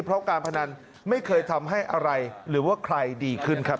เพราะการพนันไม่เคยทำให้อะไรหรือว่าใครดีขึ้นครับ